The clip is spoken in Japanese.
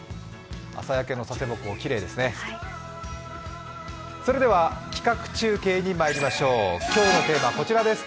朝焼けの佐世保港、きれいですね。